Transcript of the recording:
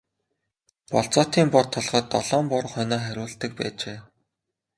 Болзоотын бор толгойд долоон бор хонио хариулдаг байжээ.